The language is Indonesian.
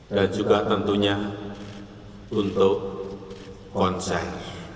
dan juga tentunya untuk konsen